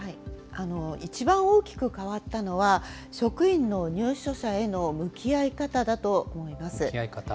一番大きく変わったのは、職員の入所者への向き合い方だと思います。